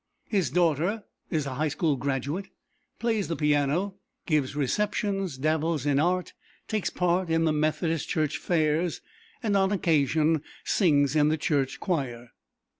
His daughter is a high school graduate, plays the piano, gives receptions, dabbles in art, takes part in the Methodist Church fairs and on occasions sings in the church choir.